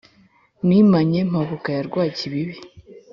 Nimanye Mpabuka ya Rwakibibi